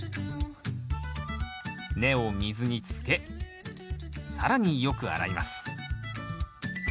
根を水につけ更によく洗います。